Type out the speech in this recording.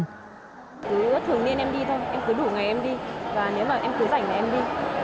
thứ thường niên em đi thôi em cứ đủ ngày em đi và nếu mà em cứ rảnh là em đi